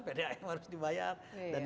pdam harus dibayar dan